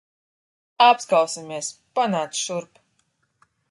Apskausimies. Panāc šurp.